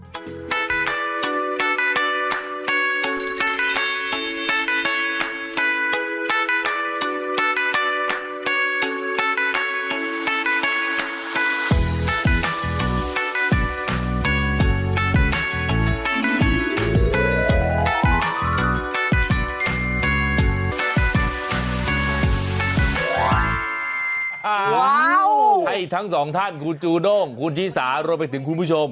ว้าวให้ทั้งสองท่านคุณจูด้งคุณชิสารวมไปถึงคุณผู้ชม